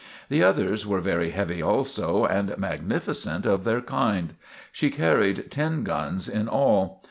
The others were very heavy also and magnificent of their kind. She carried ten guns in all.